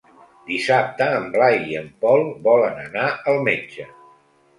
Dissabte en Blai i en Pol volen anar al metge.